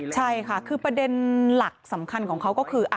ใช่ค่ะคือประเด็นหลักสำคัญของเขาก็คือ